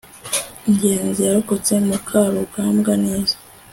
ngenzi yarokotse mukarugambwa neza